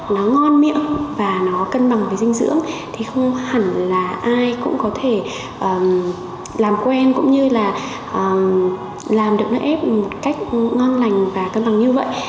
nó ngon miệng và nó cân bằng với dinh dưỡng thì không hẳn là ai cũng có thể làm quen cũng như là làm được nó ép một cách ngon lành và cân bằng như vậy